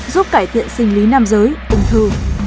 giúp cải thiện sinh lý nam giới ung thư